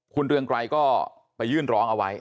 คุณเรืองไกรก็ไปยื่นร้องเอาไว้